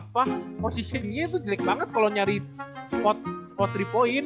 posisinya itu jelek banget kalo nyari spot tiga poin